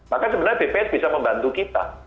maka sebenarnya bps bisa membantu kita